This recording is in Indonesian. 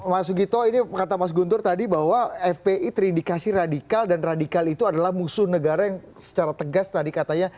mas sugito ini kata mas guntur tadi bahwa fpi terindikasi radikal dan radikal itu adalah musuh negara yang secara tegas tadi katanya